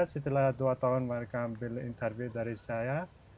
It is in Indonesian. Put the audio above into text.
setelah dua tahun mereka mengambil interviu dari saya